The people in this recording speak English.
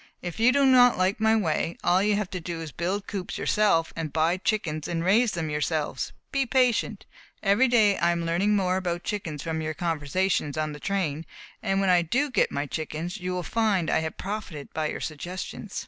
If you do not like my way, all you have to do is to build coops yourselves and buy chickens and raise them yourselves. Be patient. Every day I am learning more about chickens from your conversations on the train, and when I do get my chickens you will find I have profited by your suggestions."